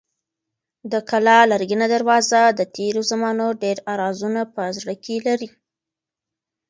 د کلا لرګینه دروازه د تېرو زمانو ډېر رازونه په زړه کې لري.